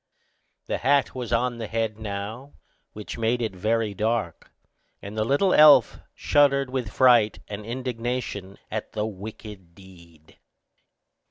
The hat was on the head now, which made it very dark, and the little elf shuddered with fright and indignation at the wicked deed.